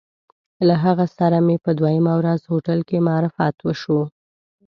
له هغه سره مې په دویمه ورځ هوټل کې معرفت وشو.